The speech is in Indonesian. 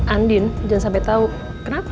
andin jangan sampai tahu kenapa